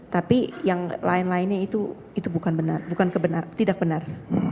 tapi yang lain lainnya itu bukan benar bukan tidak benar